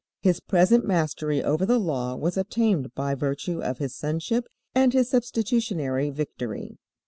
His present mastery over the Law was obtained by virtue of His Sonship and His substitutionary victory.